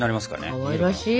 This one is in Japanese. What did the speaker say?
かわいらしい。